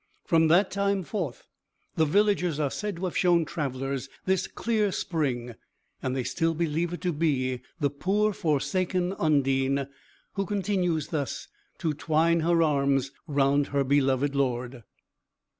From that time forth, the villagers are said to have shown travellers this clear spring, and they still believe it to be the poor forsaken Undine, who continues thus to twine her arms round her beloved lord.